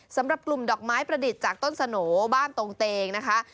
สำหรับกลุ่มดอกไม้ประดิษฐ์จากต้นสโหนบ้านตรงเตงนะคะ